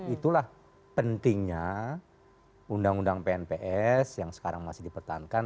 itulah pentingnya undang undang pnps yang sekarang masih dipertahankan